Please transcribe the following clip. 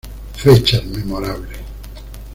Fechas memorables.